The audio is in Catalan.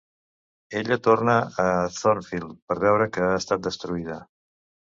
Ella torna a Thornfield per veure que ha estat destruïda.